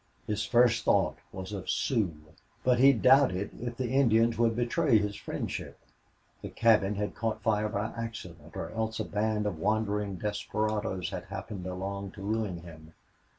His first thought was of Sioux. But he doubted if the Indians would betray his friendship. The cabin had caught on fire by accident or else a band of wandering desperadoes had happened along to ruin him.